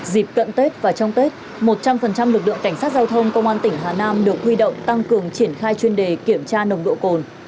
dịp cận tết và trong tết một trăm linh lực lượng cảnh sát giao thông công an tỉnh hà nam được huy động tăng cường triển khai chuyên đề kiểm tra nồng độ cồn